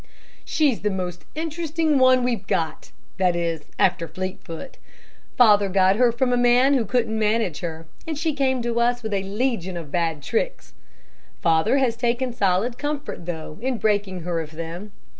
"She's the most interesting one we've got, that is, after Fleetfoot. Father got her from a man who couldn't manage her, and she came to us with a legion of bad tricks. Father has taken solid comfort though, in breaking her of them.